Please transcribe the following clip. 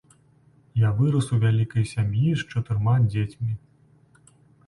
Я вырас у вялікай сям'і з чатырма дзецьмі.